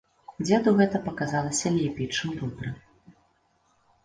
Дзеду гэта паказалася лепей, чым добра.